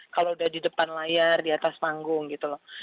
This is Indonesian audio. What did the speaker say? kalau udah di depan layar di atas panggung gitu loh